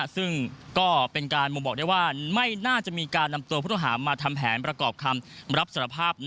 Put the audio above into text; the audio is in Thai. ซึ่งก็เป็นการบ่งบอกได้ว่าไม่น่าจะมีการนำตัวผู้ต้องหามาทำแผนประกอบคำรับสารภาพ